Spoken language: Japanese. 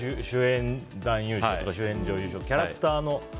主演男優賞と主演女優賞キャラクターの。